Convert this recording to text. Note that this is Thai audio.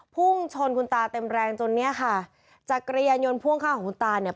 พุ่งชนคุณตาเต็มแรงจนเนี่ยค่ะจักรยานยนต์พ่วงข้างของคุณตาเนี่ย